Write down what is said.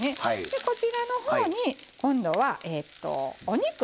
でこちらのほうに今度はお肉ですね。